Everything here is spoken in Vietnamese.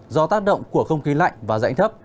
do tác động của không khí lạnh và rãnh thấp